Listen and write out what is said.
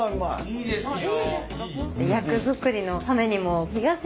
いいですよ。